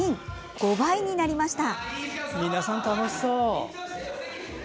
５倍になりました。